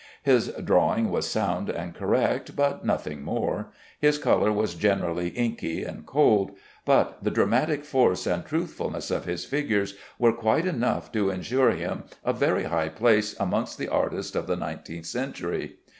His drawing was sound and correct, but nothing more; his color was generally inky and cold, but the dramatic force and truthfulness of his figures were quite enough to insure him a very high place amongst the artists of the nineteenth century.